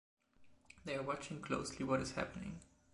They're watching closely what is happening.